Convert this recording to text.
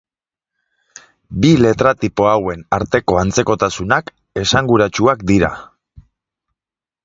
Bi letra-tipo hauen arteko antzekotasunak esanguratsuak dira.